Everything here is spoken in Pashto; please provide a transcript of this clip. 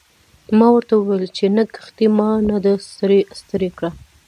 ما ورته وویل چې نه کښتۍ ما نه ده ستړې کړې.